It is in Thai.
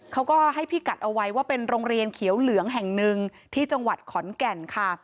เขาก็ให้พี่กัดเอาไว้ว่าเป็นโรงเรียนเขียวเหลืองแห่งหนึ่งที่จังหวัดขอนแก่นค่ะ